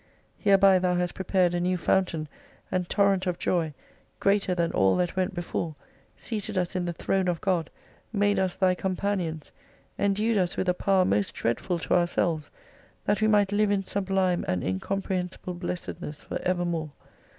Hereby Thou hast prepared a new fountain and torrent of joy greater than all that went before, seated us in the Throne of God, made us Thy companions, endued us with a power most dreadful to ourselves, that we might live in sub lime and incomprehensible blessedness for evermore.